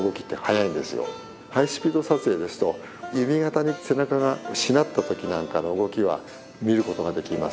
ハイスピード撮影ですと弓形に背中がしなった時なんかの動きは見ることができます。